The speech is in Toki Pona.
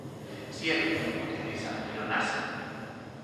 sijelo pi mi mute li sama telo nasa.